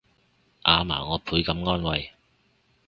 阿嫲我倍感安慰